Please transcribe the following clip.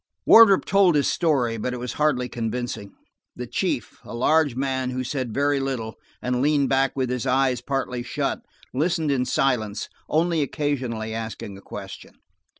Wardrop told his story, but it was hardly convincing. The chief, a large man who said very little, and leaned back with his eyes partly shut, listened in silence, only occasionally asking a question.